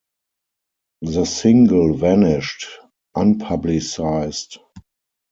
The single vanished, unpublicised.